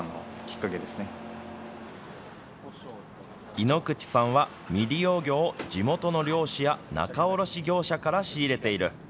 井口さんは、未利用魚を地元の漁師や仲卸業者から仕入れている。